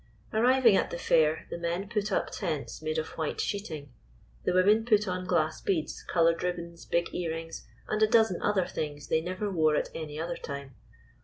Arriving at the Fair, the men put up tents made of white sheeting; the women put on glass beads, colored ribbons, big earrings, and a dozen other things they never wore at any other time.